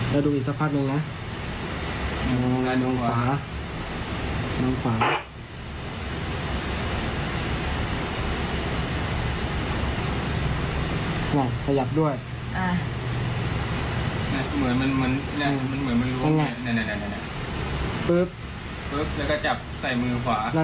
แล้วก็จับใส่มือฟ้า